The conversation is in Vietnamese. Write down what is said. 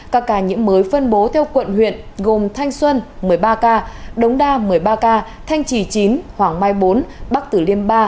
các ca nhiễm mới phân bố theo quận huyện gồm thanh xuân một mươi ba ca đống đa một mươi ba ca thanh trì chín hoàng mai bốn bắc tử liêm ba